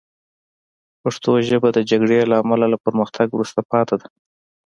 پښتو ژبه د جګړو له امله له پرمختګ وروسته پاتې ده